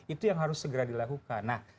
itu yang harus segera dilakukan